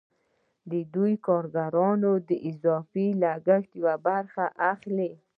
دوی د کارګرانو د اضافي ارزښت یوه برخه اخلي